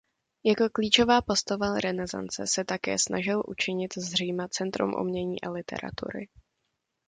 Jako klíčová postava renesance se také snažil učinit z Říma centrum umění a literatury.